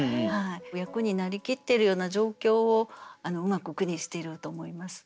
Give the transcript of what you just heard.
役になりきってるような状況をうまく句にしていると思います。